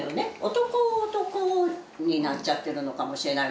男男になっちゃってるのかもしれないわね。